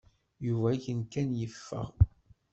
Yuba akken kan yeffeɣ.